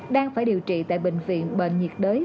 đang phải điều trị tại bệnh viện bệnh nhiệt đới